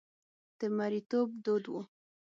د مریتوب دود و.